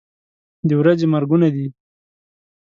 د ورځې مرګونه دي.